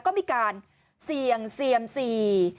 ก็มีการเสี่ยงเซียมซี